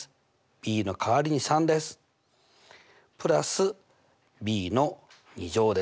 ｂの代わりに３です＋ｂです。